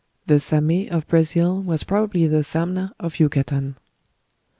The "Samé" of Brazil was probably the "Zamna" of Yucatan.